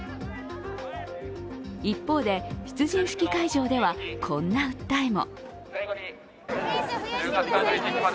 一方で、出陣式会場ではこんな訴えも。